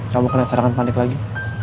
kamu kena serangan panik lagi